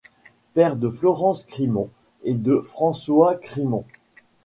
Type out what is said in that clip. Père de Florence Crimon et de François Crimon.